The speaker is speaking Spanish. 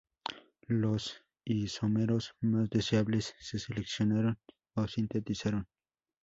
Los isómeros más deseables se seleccionaron o sintetizaron.